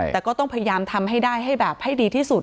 แต่ก็ต้องพยายามทำให้ได้ให้แบบให้ดีที่สุด